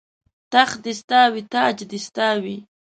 تخت دې ستا وي تاج دې ستا وي